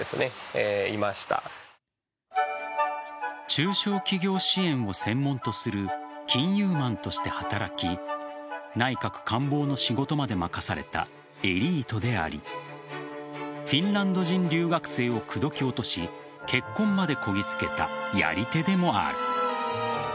中小企業支援を専門とする金融マンとして働き内閣官房の仕事まで任されたエリートでありフィンランド人留学生を口説き落とし結婚までこぎつけたやり手でもある。